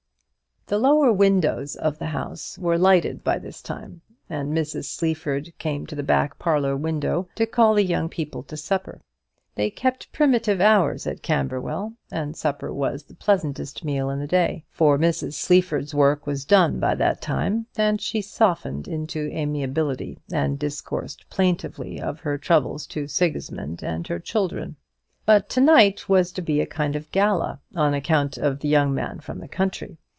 The lower windows of the house were lighted by this time, and Mrs. Sleaford came to the back parlour window to call the young people to supper. They kept primitive hours at Camberwell, and supper was the pleasantest meal in the day; for Mrs. Sleaford's work was done by that time, and she softened into amiability, and discoursed plaintively of her troubles to Sigismund and her children. But to night was to be a kind of gala, on account of the young man from the country.